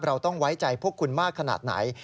เราต้องไว้ใจพวกคุณมากขนาดไหน